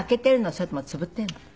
それともつぶっているの？